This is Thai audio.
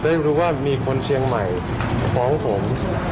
ได้รู้ว่ามีคนเชียงใหม่ฟ้องผม